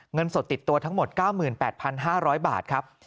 เงินสดติดตัวทั้งหมด๙๘๕๐๐บาทครับ